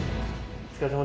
お疲れさん。